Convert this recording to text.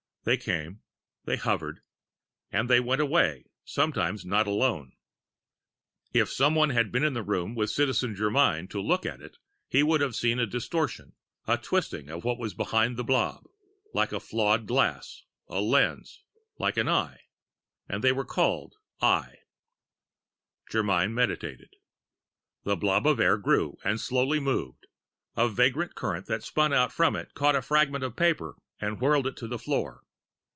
They came. They hovered. And they went away sometimes not alone. If someone had been in the room with Citizen Germyn to look at it, he would have seen a distortion, a twisting of what was behind the blob, like flawed glass, a lens, like an eye. And they were called Eye. Germyn meditated. The blob of air grew and slowly moved. A vagrant current that spun out from it caught a fragment of paper and whirled it to the floor.